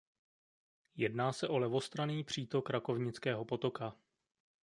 Jedná se o levostranný přítok Rakovnického potoka.